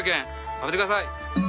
食べてください。